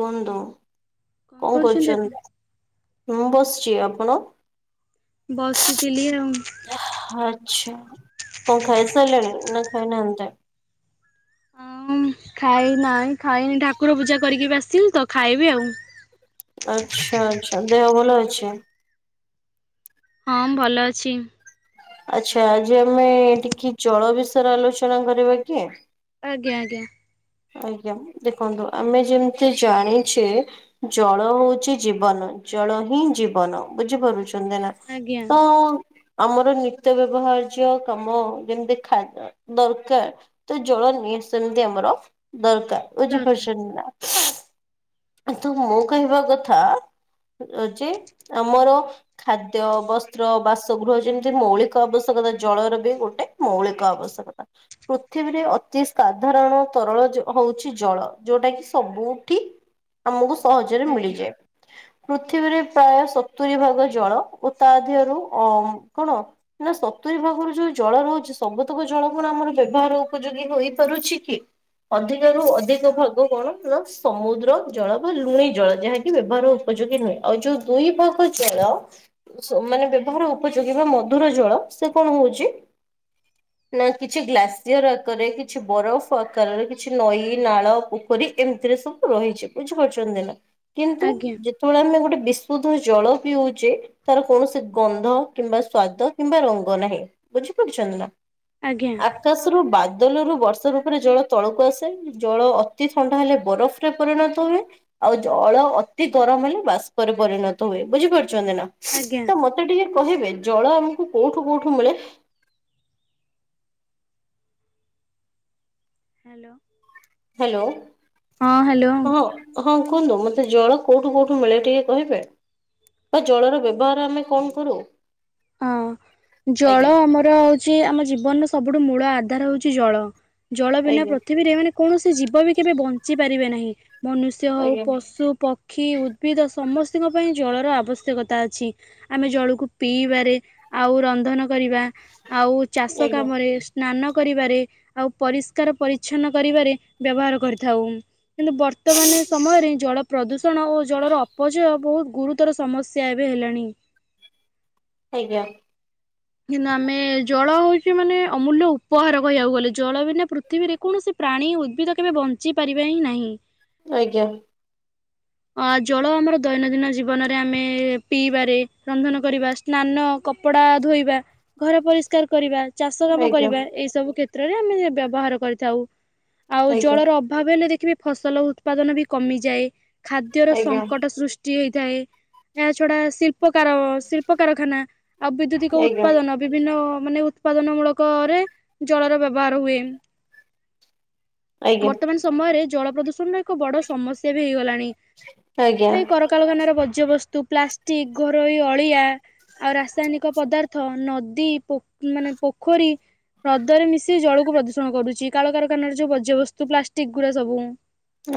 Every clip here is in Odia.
କୁହନ୍ତୁ କଣ କରୁଛନ୍ତି ମୁଁ ବସିଛି ଆପଣ ବସିଥିଲି ଆଉ। ଆଚ୍ଛା କଣ ଖାଇ ସାରିଲେଣି ନା ଖାଇନାହାନ୍ତି ହଁ ଖାଇନାହିଁ ଖାଇନି ଠାକୁର ପୂଜା କରିକି ଏବେ ଆସ୍ ଆସିଲି ତ ଖାଇବି ଆଉ। ଆଛା ଆଚ୍ଛା ଦେହ ଭଲ ଅଛି ହଁ ଭଲ ଅଛି ଆଚ୍ଛା ଯେ ଆମେ ଟିକେ ଜଳ ବିଷୟରେ ଆଲୋଚନା କରିବା କି ଆଜ୍ଞା ଆଜ୍ଞା। ଆଜ୍ଞା ଦେଖନ୍ତୁ ଆମେ ଯେମିତି ଜାଣିଛେ ଜଳ ହଉଛି ଜୀବନ ଜଳ ହିଁ ଜୀବନ ବୁଝିପାରୁଛନ୍ତି ନା ଆଜ୍ଞା ତ ଆମର ନିତ୍ୟ ବ୍ୟବହାର୍ଯ୍ୟ କାମ ଯେମତି ଖା ଦରକାର ତ ଜଳ ନି ସେମିତି ଆମର ଦରକାର ଦରକାର ବୁଝିପାରୁଛନ୍ତି ନା। ଅ ତ ମୋ କହିବା କଥା ହଉଛି ଆମର ଖାଦ୍ୟ ବସ୍ତ୍ର ବାସଗୃହ ଯେମିତି ମୌଳିକ ଆବଶ୍ୟକ ଜଳର ବି ଗୋଟେ ମୌଳିକ ଆବଶ୍ୟକତା ପୃଥିବୀରେ ଅତି ସାଧାରଣ ତରଳ ହୋଉଛି ଜଳ ଯୋଉଟା କି ସବୁଠି ଆମକୁ ସହଜରେ ଆଜ୍ଞା। ମିଳିଯାଏ। ପୃଥିବୀରେ ପ୍ରାୟ ସତୁରି ଭାଗ ଜଳ ଓ ତା ଦେହରୁ ଅ କଣ ନା ଚତୁୀ ଭାଗରୁ ଯୋଉ ଜଳ ରୋହୁଛି। ସବୁତକ ଜଳ ମର ଆମର ବ୍ୟବହାର ଉପଯୋଗୀ ହେଇପାରୁଛି କି? ଅଧିକ ରୁ ଅଧିକ ଭାଗ କଣ ନା ସମୁଦ୍ର ଜଳ ବା ଲୁଣି ଜଳ ଯାହାକି ବ୍ୟବହାର ଉପଯୋଗୀ ନୁହେଁ। ଆଉ ଯୋଉ ଦୁଇ ଭାଗ ଜଳ ମାନେ ବ୍ୟବହାର ଉପଯୋଗୀ ବା ମଧୁର ଜଳ ସେ କଣ ହୋଉଚି ହ ନା କିଛି ଗ୍ଲାସିୟର ଆକାରରେ କିଛି ବରଫ ଆକାରରେ କିଛି ନଈ ନାଳ ପୋଖରୀ ଏମିତି ସବୁ ରହିଛି। ବୁଝିପାରୁଛନ୍ତି ନା କିନ୍ତୁ ଆଜ୍ଞା ଯେତେବେଳେ ଆମେ ଗୋଟେ ବିସ ସୁଧ ଜଳ ପିଉଛେ ତାର କୌଣସି ଗନ୍ଧ କିମ୍ବା ସ୍ଵାଦ କିମ୍ବା ରଙ୍ଗ ନାହିଁ ବୁଝ ନା ଆଜ୍ଞା ଆକାଶରୁ ବା ବଦଲରୁ ବର୍ଷ ରୂପରେ ଜଳ ତଳକୁ ଆସେ ଜଳ ଅତି ଥଣ୍ଡା ହେଲେ ବରଫରେ ପରିଣତ ହୁ ଆଉ ଜଳ ଅତି ଗରମ ହେଲେ ବାଷ୍ପରେ ପରିଣତ ହୁଏ ବୁଝିପାରୁ ଚନ୍ତି ନା ଆଜ୍ଞା ତ ମତେ ଟିକେ କହିବେ ଜଳ ଆମକୁ କୋଉଠୁ କୋଉଠୁ ମିଳେ ହାଲୋ। ହେଲୋ। ହଁ ହାଲୋ। ହଁ କୁହନ୍ତୁ ମତେ ଜଳ କୋଉଠୁ କୋଉଠୁ ମିଳେ ଟିକେ କହିବେ? ବା ଜଳର ବ୍ୟବହାର ଆମେ କଣ କରୁ ହଁ ଆଜ୍ଞା ଜଳ ଆମର ହୋଉଛି ଆମ ଜୀବନର ସବୁ ସବଠୁ ମୂଳ ଆଧାର ହୋଉଛି ଜଳ ଜଳ ବିନା ଆଜ୍ଞା। ପୃଥିବୀରେ ମାନେ କୌଣସି ଜୀବ ବି କେବେ ବଞ୍ଚି ପାରିବେ ନାହିଁ ମନୁଷ୍ୟ ହଉ ଆଜ୍ଞା ପଶୁ ପକ୍ଷୀ ପକ୍ଷୀ ଉଦ୍ଭିଦ ସମସ୍ତଙ୍କ ପାଇଁ ଜଳର ଆବଶ୍ୟକତା ଅଛି ଆମେ ଜଳକୁ ପିଇବ ଆଉ ରନ୍ଧନ କରିବା ଆଉ ଚାଷ ଆଜ୍ଞା କାମରେ ସ୍ନାନ କରିବାରେ ଆଉ ପରିଷ୍କାର ପରିଚ୍ଛନ୍ନ କରିବାରେ ବ୍ୟବହାର କରିଥାଉ। କିନ୍ତୁ ବର୍ତ୍ତମାନ ସମୟରେ ଜଳ ପ୍ରଦୂଷଣ ଓ ଜଳର ଅପଚୟ ବହୁତ ଗୁରୁତ ତ୍ଵର ସମସ୍ୟା ଏବେ ହେଲାଣି। ଆଜ୍ଞା। କିନ୍ତୁ ଆମେ ଜଳ ହଉଛି ମାନେ ଅମୂଲ୍ୟ ଉପହାର କହିବାକୁ ଗଲେ ଜଳ ବିନା ପୃଥିବୀରେ କୌଣସି ପ୍ରାଣୀ ଉଦ୍ଭିଦ କେବେ ବଞ୍ଚିପାରିବେ ହିଁ ନାହିଁ। ଆଜ୍ଞା। ହ ଅ ଜଳ ଆମର ଦୈନନ୍ଦିନ ଜୀବନରେ ଆମେ ପିଇବାରେ ରନ୍ଧନ କରିବା ସ୍ନାନ କପଡ଼ା କପଡା ଧୋଇବା ଘର ପରିଷ୍କାର କରିବା ଚାଷ କାମ ଆଜ୍ଞା କରିବା ଏଇ ସବୁ କ୍ଷ କ୍ଷତ୍ର ରେ ଆମେ ବ୍ୟବହାର କରିଥାଉ ଆଉ ଆଜ୍ଞା। ଜଳର ଅଭାବ ହେଲେ ଦେଖିବେ ଫସଲ ଉତ୍ପାଦନ ବି କମିଯାଏ ଖାଦ୍ୟର ଆଜ୍ଞା ସଙ୍କଟ ସୃ ଷ୍ଟି ହେଇଥାଏ ଏହା ଛଡା ଶିଳ୍ପ କ ଶିଳ୍ପ କାରଖାନା ଆଉ ବିଦ୍ୟୁତି କ ଆଜ୍ଞା ଉତ୍ପାଦନ ବିଭିନ୍ନ ମାନେ ଉତ୍ପାଦନ ମୂଳକ ରେ ଜଳର ବ୍ୟବହାର ହୁଏ। ବର୍ତ୍ତମାନ ସମୟରେ ଜଳ ପ୍ରଦୂଷଣ ର ଏକ ବଡ ସମସ୍ୟା ବି ହେଇଗଲାଣି। ଆଜ୍ଞା ଆଜ୍ଞା ଏଇ କଳକାରଖାନାର ବଜ୍ୟବସ୍ତୁ ପ୍ଲାଷ୍ଟିକ ଘରୋଇ ଅଳିଆ ଆଉ ରାସାୟନିକ ପଦାର୍ଥ ନଦୀ ପୋ ମାନେ ପୋଖରୀ ହ୍ରଦରେ ମିଶି ଜଳକୁ ପ୍ରଦୂଷଣ କରୁଚି କଳକାରଖାନାର ଯୋଉ ବଜ୍ୟବସ୍ତୁ ପ୍ଲାଷ୍ଟିକ ଗୁଡା ସବୁ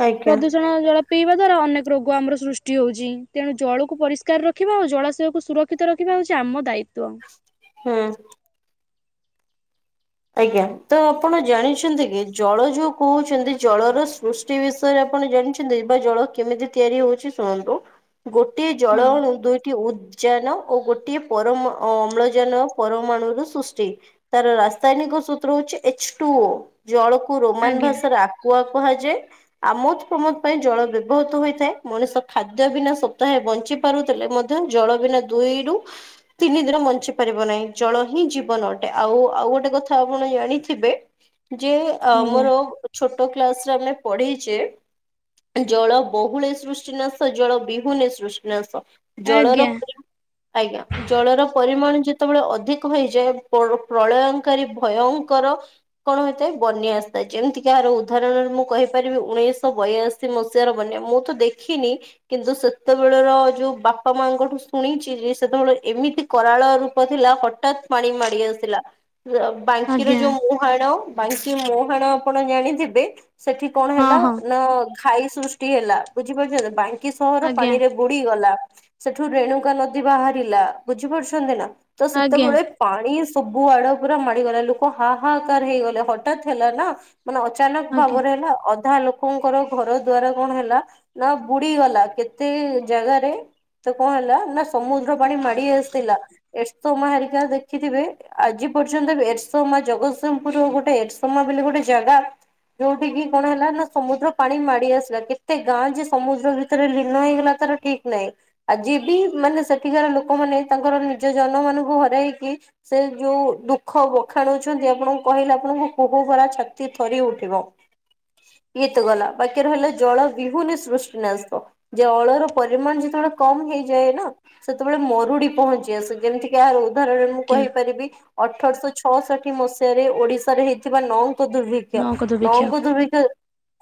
ଆଜ୍ଞା ପ୍ରଦୂଷଣ ଜଳ ପିଇବା ଦ୍ବାରା ଅନେକ ରୋଗ ଆମର ସୃଷ୍ଟି ହଉଚି ତେଣୁ ଜଳକୁ ପରିଷ୍କାର ରଖିବା ଆଉ ଜଳାଶୟକୁ ସୁରକ୍ଷିତ ରଖିବା ହୋଉଚି ଆମ ଦାୟିତ୍ଵ। ହୁଁ। ଆଜ୍ଞା ତ ଆପଣ ଜାଣିଛନ୍ତି କି? ଜଳ ଯୋଉ କହୁଚନ୍ତି ଜଳର ସୃଷ୍ଟି ବିଷୟରେ ଆପଣ ଜାଣିଛନ୍ତି, ବା ଜଳ କେମିତି ତିଆରି ହଉଚି ଶୁଣନ୍ତୁ ଗୋଟିଏ ହଁ ଜଳ ଅଣୁ ଦୁଇଟି ଉଦ୍ ଯାନ ଓ ଗୋଟିଏ ପରମ ଅମ୍ଳଜାନ ପରମାଣୁ ର ସୃଷ୍ଟି ତାର ରାସ୍ତା ରାସାୟନିକ ସୂତ୍ର ହଉଛି, ଏଚ ଟୁ ଓ ଜଳକୁ ରୋମାନ ଆଜ୍ଞା ଭାଷାରେ ଆକ୍ଵା କୁହାଯାଏ ଆମୋଦ ପ୍ରମୋଦ ପାଇଁ ଜଳ ବ୍ୟବହୃତ ହୋଇଥାଏ। ମଣିଷ ଖାଦ୍ୟ ବିନା ସପ୍ତାହେ ବଞ୍ଚି ପାରୁଥିଲେ ମଧ୍ୟ ଜଳ ବିନା ଦୁଇରୁୁ ତିନି ଦିନ ବଞ୍ଚି ପାରିବ ନାହିଁ। ଜଳ ହିଁ ଜୀବନ ଅ ଆଉ ଆଉ ଗୋଟେ କଥା ଆପଣ ଜାଣିଥିବେ, ଯେ ଆଜ୍ଞା ଆମର ଛୋ ଛୋଟ କ୍ଲାସ ରେ ଆମେ ପଢିଚେ ଜଳ ବହୁଳେ ସୃଷ୍ଟିନାଶ ଜଳ ବିହୁନେ ସୃଷ୍ଟିନାଶ ଜଳର ଆଜ୍ଞା ପରି ଆଜ୍ଞା ଜଳର ପରିମାଣ ଯେତେବେଳେ ଅଧିକ ହେଇଯାଏ, ପଳ ପ୍ରଳୟ ଭୟଙ୍କର କଣ ହୋଇଥାଏ ବନ୍ୟା ଆସିଥାଏ, ଯେମିତି କି ଏହାର ଉଦାହରଣରେ ମୁଁ କହିପାରିବି ଉଣେ ଉଣେଇଶ ବୟାଅଶୀ ମସିହା ର ବନ୍ୟା, ମୁଁ ତ ଦେଖିନି କିନ୍ତୁ ସେତେବେଳର ଯୋଉ ବାପା ମାଙ୍କ ଠୁ ଶୁଣିଚିଯେ ସେତେବେଳେ ଏମିତି କରାଳ ରୂପ ଥିଲା ହଠତ୍ ପାଣି ମାଡି ଆସିଲା ବାଙ୍କିର ଆଜ୍ଞା ଯୋଉ ମୁହାଣ ବାଙ୍କି ମୁହାଣ ଆପଣ ଜାଣିଥିବେ ସେଠି କଣ ହଁ ହେଲା ହଁ ନା ଘାଇ ସୃଷ୍ଟି ହେଲା, ବୁଝିପାରୁଛନ୍ତି ବାଙ୍କ୍ କି ସହର ଆଜ୍ଞା ପାଣିରେ ବୁଡି ଗଲା ସେଠୁ ରେଣୁକା ନଦୀ ବାହାରିଲା, ବୁଝି ପାରୁଛନ୍ତି ନା ତ ଆଜ୍ଞା ସେତେବେଳେ ପାଣି ସବୁ ଆଡ ପୁରା ମାଡିଗଲା ଲୋକ ହାହାକାର ହେଇଗଲେ, ହଠାତ୍ ହେଲା ନା ମାନେ ଅଚାନକ ଆଜ୍ଞା ଭାବରେ ହେଲା ଅଧ୍ ଧା ଲୋକଙ୍କର ଘର ଦ୍ଵାର କଣ ହେଲା ନା ବୁଡି ଗଲା କେତେ ଜାଗାରେ ତ କଣ ହେଲା ନା ସମୁଦ୍ର ପାଣି ମାଡି ଆସିଥିଲା, ଏସ୍ତୋମା ହେରିକା ଦେଖିଥିବେ ଆଜି ପର୍ଯ୍ୟନ୍ତ ଏରସୋମା ଜଗତସିଂହପୁର ଗୋଟେ, ଏରସୋମା ବୋଲି ଗୋଟେ ଜାଗା ଯୋଉଠ କିି କଣ ହେଲା ନା ସମୁଦ୍ର ପାଣି ମାଡି ଆସିଲା, କେତେ ଗାଁ ଯେ ସମୁଦ୍ର ଭିତରେ ଲୀନ ହେଇଗଲା ତାର ଠିକ ନାହିଁ ଆଜି ବି ମାନେ ସେଠିକାର ଲୋକମାନେ ତାଙ୍କର ନିଜ ଜନ ମାନଙ୍କୁ ହରାଇକି ସେ ଯୋଉ ଦୁଃଖ ବଖାଣୁଛନ୍ତି, ଆପଣଙ୍କୁ କହିଲେ ଆପଣଙ୍କୁ କୁହୁଭରା ଛାତି ଥରି ଉଠିବ ଇଏତ ଗଲା ବାକି ର ହେଲା ଜଳ ବିହୁନେ ସୃଷ୍ଟିନାଶ ଜଳର ପରିମାଣ ଯେତେବେଳେ କମ ହେଇଯାଏ, ନା ସେତେବେଳେ ମରୁଡି ପହଞ୍ଚି ଆସେ ଯେମିତିକି ଏହାର ଉଦାହରଣରେ, ମୁଁ ଆଜ୍ଞା କହିପାରିବି ଅଠରଶହ ଛଅଷଠି ମସିହାରେ ଓଡିଶାରେ ହେଇଥିବା ନଅଁ ଙ୍କ ଦୁର୍ଭିକ୍ଷ ନକଦବେକ୍ଷ ନଅଙ୍କ ଦୁର୍ଭିିକ୍ଷ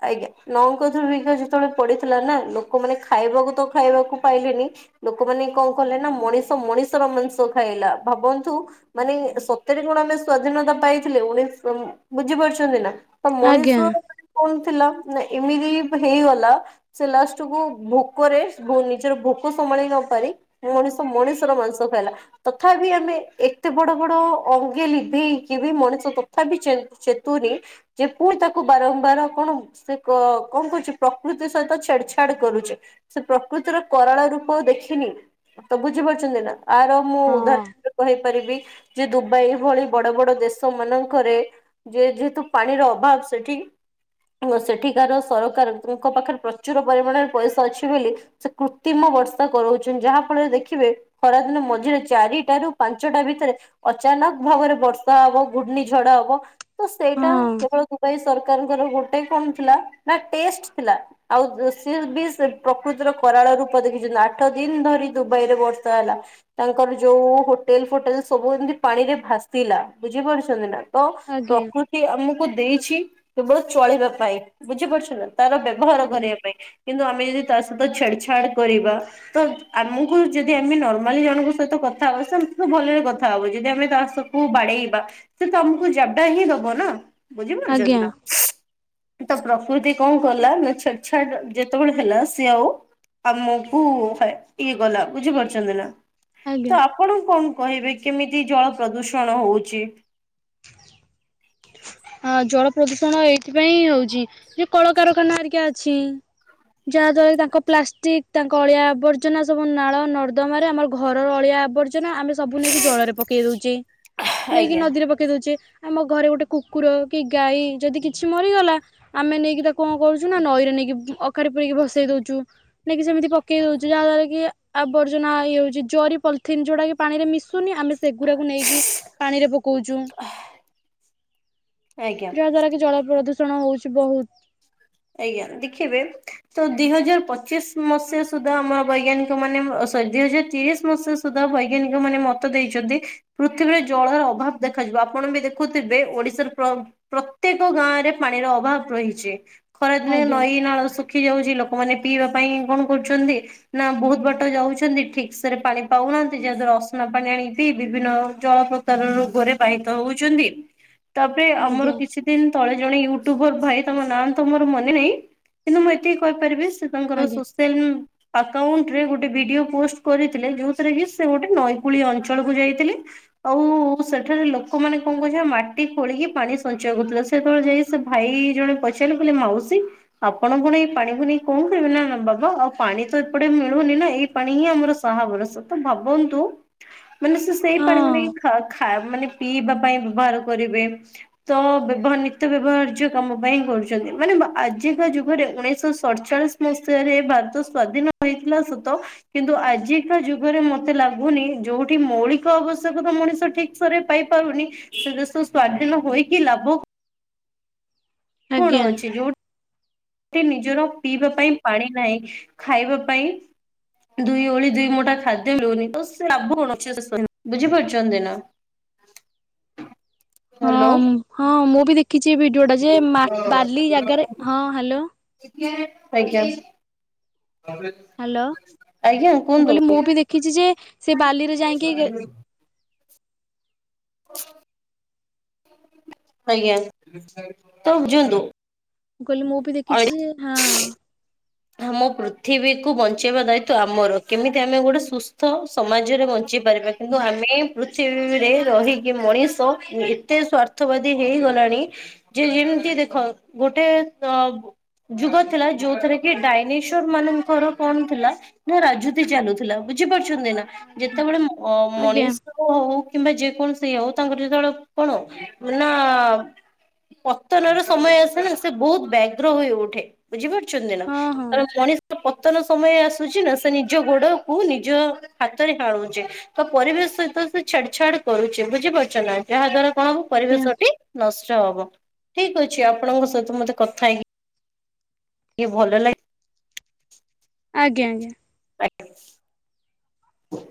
ଆଜ୍ଞା। ନଅଙ୍କ ଦୁର୍ଭିକ୍ଷ ଯେତେବେଳେ ପଡିଥିଲା ନା ଲୋକମାନେ ଖାଇବାକୁ ତ ଖାଇବାକୁ ପାଇଲେନି ଲୋକମାନେ କଣ କଲେ ନା ମଣିଷ ମଣିଷର ମାଂସ ଖାଇଲା ଭାବନ୍ତୁ ମାନେ ସତରେ କଣ ଆମେ ସ୍ଵାଧୀନତା ପାଇଥିଲେ, ଉଣିସ୍ ବୁଝି ପାରୁଛନ୍ତି ନା ତ ମଣିଷ ଆଜ୍ଞା କହେ ନା ଏମିତି ହେଇଗଲା ସେ ଲାଷ୍ଟକୁ ଭୋକରେ ନିଜର ଭୋକ ସମ୍ଭା ଳି ନ ପାରି ମଣିଷ ମଣିଷର ମାଂସ ଖାଇଲା ତଥାପି ଆମେ ଏତେ ବଡ ବଡ ଅଙ୍ଗେ ଲିଭେଇକି ବି ମଣିଷ ତଥାପି ଚେନ୍ତୁ ଚେତୁନୀ ଯେ ପୁଣି ତାକୁ ବାରମ୍ବାର କ କ ସେ କଣ କରୁଛି ପ୍ରକୃତି ସହିତ ଛେଡ୍ ଛାଡ୍ କରୁଛି, ସେ ପ୍ରକୃତିର କରାଳ ରୂପ କୁ ଦେଖିନି ତ ବୁଝି ପାରୁଛନ୍ତି, ନା ଆର ମୁଁ ହଁ ଉଦାହରଣରେ କହିପାରିବି ଯେ ଦୁବାଇ ଭଳି ବଡ ବଡ ଦେଶ ମାନଙ୍କରେ ଯେ ଯେହେତୁ ପାଣିର ଅଭାବ ସେଠି ସେଠିକାର ସରକାର ତାଙ୍କ ପାଖରେ ପ୍ରଚୁର ପରିମାଣରେ ପଇସା ଅଛି ବୋଲି ସେ କୃତ୍ରିମ ବର୍ଷା କରାଉଛନ୍ତି, ଯାହା ଫଳରେ ଦେଖିବେ ଖରାଦିନ ମଝିରେ ଚାରିଟା ରୁ ପାଞ୍ଚଟା ଭିତରେ ଅଚାନକ ଭାବରେ ବର୍ଷା ହବ ଘୁର୍ଣ୍ଣିଝଡ ହବ ତ ସେଇଟା ହଁ କେବଳ ଦୁବାଇ ର ସରକାର ଙ୍କର ଗୋଟେ କଣ ଥିଲା ନା ଟେଷ୍ଟ ଥିଲା ଆଉ [unintelligible] କରାଳ ରୂପ ଦେଖିଛନ୍ତି, ଆଠ ଦିନ ଧରି ଦୁବାଇ ରେ ବର୍ଷା ହେଲା ତାଙ୍କର ଯୋଉ ହୋଟଲ ଫୋଟଲ ସବୁ ଏମିତି ପାଣି ରେ ଭାସିଲା ବୁଝିପାରୁଛନ୍ତି, ନା ତ ଆଜ୍ଞା ପ୍ରକୃତି ଆମକୁ ଦେଇ କେବଳ ଚଳିବା ପାଇଁ ବୁଝିପାରୁଛ, ନା ତାର ବ୍ୟବହାର ଆଜ୍ଞା କରିବା ପାଇଁ କିନ୍ତୁ ଆମେ ଯଦି ତା ସହିତ ଛେଡ ଛାଡ କରିବା ତ ଆମକୁ ଯଦି ଆମେ ନର୍ମାଲି ଜଣଙ୍କ ସହିତ କଥା ହବାବ ଭଲରେ କଥା ହବୁ ଯଦି ଆମେ ତାକୁୁ ବାଡେଇବା ସେ ତମକୁ ଜାଡା ହିଁ ଦବ ନା ବୁଝିପାରୁଛନ୍ତି ଆଜ୍ଞା ନା। ତ ପ୍ରକୃତି କଣ କଲା ନା ଛେଟ ଛାଟ ଯେତେବେଳେ ଆମକୁୁ ହାଏ ଇଏ ଗଲା ବୁଝି ପାରୁଛନ୍ତି ନା। ଆଜ୍ଞା ତ ଆପଣ କଣ କହିବି କେମିତି ଜଳ ପ୍ରଦୂଷଣ ହଉଛି। ଆଉ ଜଳ ପ୍ରଦୂଷଣ ଏଇଥିପାଇଁ ହଉଛି ଯେ, କଳକାରଖାନା ଆରିକା ଅଛି। ଯାହା ଦ୍ଵାରା କି ତାଙ୍କ ପ୍ଲାଷ୍ଟିକ ତାଙ୍କ ଅଳିଆ ଆବର୍ଜନା ସବୁ ନାଳ ନର୍ଦ୍ଦମାରେ ଆମର ଘରର ଅଳିଆ ଆବର୍ଜନା ଆମେ ସବୁ ନେଇକି ଜଳରେ ପକେଇ ଦଉଛେ ନେଇକି ଆଜ୍ଞା ନଦୀରେ ପକେଇ ଦଉଛେ ଆମ ଘରେ ଗୋଟେ କୁ କୁକୁର କି ଗାଈ ଯଦି କିଛି ମରିଗଲା ଆମେ ନେଇକି ତାକୁ କଣ କରୁଛୁ ନା ନଈରେ ନେଇକି ଅଖାରେ ପୁ ଭସେଇ ଦଉଛୁ ନ କି ସେମିତି ପକେଇ ଦଉଛୁ ଯାହା ଦ୍ଵାର କି ଆବର୍ଜନା ଏଇ ହୋଇଯାଉଛି ଜରି ପଲିଥିନ୍ ଯଉଟାକ ପାଣି ରେ ମିଶୁନି ଆମେ ସେଗୁଡାକୁ ନେଇକି ପାଣିରେ ପକଉଛୁ। ଆଜ୍ଞା। ପ୍ରଦୂଷଣ ହଉଛି ବହୁତ। ଆଜ୍ଞା ଦେଖିବେ ତ ଦି ହଜାର ପଚିଶ ମସିହା ସୁଦ୍ଧା ଆମର ବୈଜ୍ଞାନିକ ମାନେ ଅସ୍ତ୍ ଦୁଇ ହଜାର ତିରିଶ ମସି ସୁଦ୍ଧା ବୈଜ୍ଞାନିକ ମାନେ ମତ ଦେଇଛନ୍ତି ପୃଥିବୀରେ ଜଳର ଅଭାବ ଦେଖାଜିବ। ଆପଣ ବି ଦେଖୁଥିବେ ଓଡିଶାର ପ୍ରତ୍ୟେକ ଗାଁ ରେ ପାଣିର ଅଭାବ ରହିଛି। ଖରାଦିନ ଆଜ୍ଞା ନଈ ନାଳ ସୁ ରଖି ଯାଉଛି ଲୋକମାନେ ପିଇବା ପାଇଁ କଣ କରୁଛନ୍ତି ନା ବହୁତ ବାଟ ଯାଉଛନ୍ତି ଠିକ ସେରେ ପାଣି ପାଉ ନାହାଁନ୍ତି ଯା ଦ୍ଵାର ଅସନା ପାଣି ଆଣିକି ପି ବିଭିନ୍ନ ଅଞ୍ଚଳ [unintelligible] ରୋଗରେ ବାହିତ ହଉଛନ୍ତି। ତାପରେ ଆମର ଆଜ୍ଞା କିଛି ଦିନ ତଳେ ଜଣେ ୟୁଟ୍ୟୁବର ଭାଇ ତମ ନାଁ ତମର ମନେ ନାହିଁ କିନ୍ତୁ ମୁଁ ଏତିକି କହିପାରିବି ସେ ତାଙ୍କର ଆଜ୍ଞା ସୋସିଆଲ ଆକାଉଣ୍ଟ ରେ ଗୋଟେ ଭିଡ଼ିଓ ପୋଷ୍ଟ କରିଥିଲେ ଯୋଉଥିରେ କି ସେ ଗୋଟେ ନଈକୂଳିଆ ଅଞ୍ଚଳକୁ ଯାଇଥିଲେ। ଆଉ ସେଠାରେ ଲୋକମାନୋନ କଣ କରୁଛନ୍ତି ମାଟି ଖୋଳିକି ପାଣି ସଞ୍ଚୟ କରୁଥିଲେ ସେତେବେଳେ ଯାଇ ସେ ଭାଇ ଇ ଜଣେ ପଚା ମାଉସୀ ଆପଣ କଣ ଏଇ ପାଣିକୁ ନେଇ କଣ କହିବେ ନ ନା ବାବା ଆଉ ପାଣି ତ ଏପଟେ ମିଳୁନି। ନା ଏଇ ପାଣି ହିଁ ଆମର ଶହା ଭରଷା ତ ଭାବନ୍ତୁ ମାନେ ସେ ସେଇ ପାଣିକୁ ନେଇ ହଁ ଖା ଖା ମାନେ ପିଇବା ପାଇଁ ବ୍ୟବହାର କରିବେ ତ ବ୍ୟବ ନିତ୍ୟ ବ୍ୟବହାର୍ଯ୍ୟ କାମ ପାଇଁ କରୁ ମାନେ ଆଜିକା ଯୁଗରେ ଉଣେଇଶଶହ ସଡଚାଳିଶ ମସିହାରେ ଭାରତ ସ୍ଵାଧୀନ ହୋଇଥିଲା ସତ କିନ୍ତୁ ଆଜିକା ଯୁଗରେ ମତେ ଲାଗୁନି ଯୋଉଠି ମୌଳିକ ଆବଶ୍ୟକତା ମଣିଷ ଠିକସ୍ ରେ ପାଇପାରୁନି ସେ ଦେଶ ସ୍ୱାଧନ ହୋଇକି ଲାଭ କଣ ଆଜ୍ଞା। ଅଛି ଯୋଉଠା ସେ ନିଜର ପିଇବା ପାଇଁ ପାଣି ନାହିଁ ଖାଇବା ପାଇଁ ଦୁଇ ଓଳି ଦୁଇ ମୁଠା ଖାଦ୍ୟ ମିଳୁନି ତ ଲାଭ କଣ ଆଭ ବୁଝିପାରୁଛନ୍ତି ନା। ହ୍ୟାଲୋ। ହଁ ହଁ ମୁଁ ବି ଦେଖିଛି ଭିଡିଓ ଟା ଯେ ମା ବାଲି ଜାଗାରେ ହଁ ହ୍ୟାଲୋ। ଆଜ୍ଞା। ହ୍ୟାଲୋ। ଆଜ୍ଞା ମୁଁ କୁହନ୍ତୁ କହିଲି ମୁଁ ବି ଦେଖିଛି ଯେ ସେ ବାଲିରେ ଯାଇକି [inaudible] ଆଜ୍ଞା ତ ବୁଝନ୍ତୁ। କହିଲି ମୁଁ ବି ଦେଖିଛି ଯେ ହଁ ଆମ ପୃଥିବୀକୁ ବଞ୍ଚେଇବା ଦାୟିତଵ ଆମର କେମିତି ଆମେ ଗୋଟେ ସୁସ୍ଥ ସମାଜରେ ବଞ୍ଚ ବୁଝିପାରୀନ କିନ୍ତୁ ଆମେ ପୃୀରେ ରହିକି ମଣିଷ ଏତେ ସ୍ଵାର୍ଥବାଦୀ ହେଇଗଲାଣି ଯେ ଯେମିତି ଦେଖ ଗୋଟେ ଅ ଯୁଗ ଥିଲା ଯୋଉଥିରେ କି ଏ ଡାଇନେଶର ମାନଙ୍କର କଣ ଥିଲା ନା ରାଜୁତି ଚାଲୁଥିଲା ବୁଝିପାରୁ। ଛନ୍ତି ନା ଆଜ୍ଞା ଯେତେବେଳେ ଆଜ୍ଞା ମଣିଷ ହଉ। କିମ୍ବା ଯେକୌଣସି ହଉଁ ତାଙ୍କର ଯେତେବେଳେ କଣ ନା। ପତନ ର ସମୟ ଆସେ ନା ସେ ବହୁତ ବ୍ୟାଘ୍ର ହୋଇ ଉଠେ ବୁଝିପାରୁଛନ୍ତି ନା। ହଁ ହଁ ତାର ମଣିଷ ପତ। ନୂତ୍ତନ ସମୟ ଆସୁଛି ନା ସେ ନିଜ ଗୋଡ କୁ ନିଜ ହାତରେ ହାଣୁଛି ତ ପରିବେଶ ସହିତ। ଛେଡ ଛା କରୁଛେ ବୁଝିପାରୁଛ ନା ଯାହା ଦ୍ଵାରା ଆପଣଙ୍କ ଆଜ୍ଞା ପରିବେଶଟି ନଷ୍ଟ ହବ ଠିକ ଅଛି ଆପଣଙ୍କ ସହିତ ମତେ କଥା ହେଇ। ଟିକେ ଭଲ ଲାଗ। ଆଜ୍ଞା ଆଜ୍ଞା। ଆଜ୍ଞା।